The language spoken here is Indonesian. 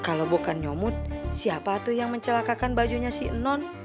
kalau bukan nyomut siapa tuh yang mencelakakan bajunya si non